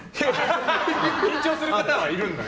緊張する方はいるんだね。